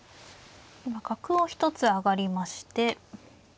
今角を１つ上がりまして。